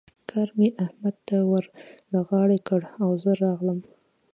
کار مې احمد ته ور له غاړې کړ او زه راغلم.